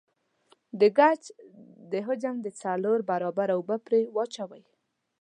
د ګچ د حجم د څلور برابره اوبه پرې واچوئ.